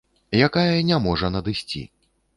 Якая не можа надысці.